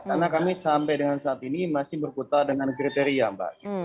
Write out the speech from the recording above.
karena kami sampai dengan saat ini masih berputar dengan kriteria mbak